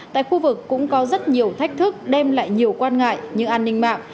tại khu vực cũng có rất nhiều thách thức đem lại nhiều quan ngại như an ninh mạng